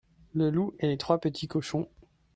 le loup et les trois petits cochons.